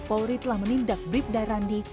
polri telah menindak brief daerah ini